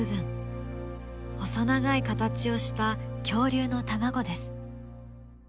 細長い形をした恐竜の卵です。